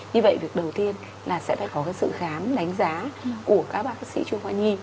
như vậy việc đầu tiên là sẽ phải có sự khám đánh giá của các bác sĩ chung hoa nhi